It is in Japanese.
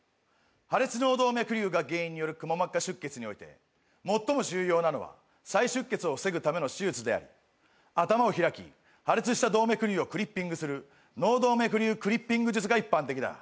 破裂脳動脈瘤が原因によるくも膜下出血において最も重要なのは再出血を防ぐための手術であり頭を開き破裂した動脈瘤をクリッピングする脳動脈瘤クリッピング術が一般的だ。